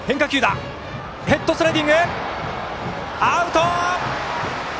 ヘッドスライディングはアウト！